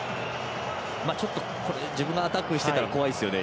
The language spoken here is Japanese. ちょっと自分がアタックしてたら怖いですよね。